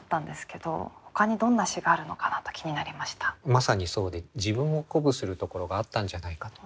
まさにそうで自分を鼓舞するところがあったんじゃないかと。